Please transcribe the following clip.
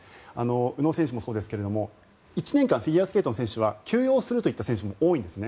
宇野選手もそうですが１年間フィギュアスケートの選手は休養するといった選手も多いんですね。